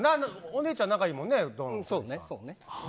お姉ちゃん、仲いいもんね。